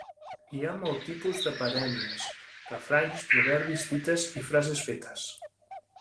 Hi ha molt tipus de parèmies: refranys, proverbis, dites i frases fetes.